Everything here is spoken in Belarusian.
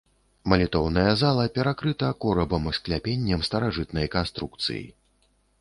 Малітоўная зала перакрыта корабам скляпеннем старажытнай канструкцыі.